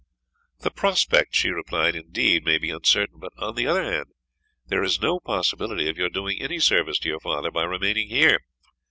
"The prospect," she replied, "indeed, may be uncertain; but, on the other hand, there is no possibility of your doing any service to your father by remaining here.